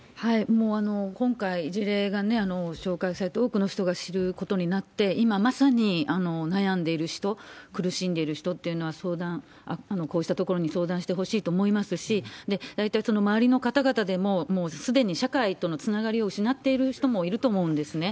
もう今回、事例が紹介されて、多くの人が知ることになって、今、まさに悩んでいる人、苦しんでいる人っていうのは、相談、こうしたところに相談してほしいと思いますし、大体、その周りの方々でも、もうすでに社会とのつながりを失っている人もいると思うんですね。